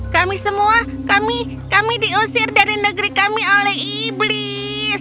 kami semua kami diusir dari negeri kami oleh iblis